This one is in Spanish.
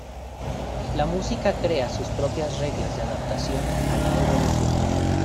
La música crea sus propias reglas de adaptación a la evolución.